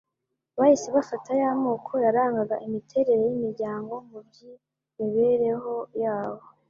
Bahise bafata ya moko yarangaga imiterere y'imiryango mu by'imibereho yabo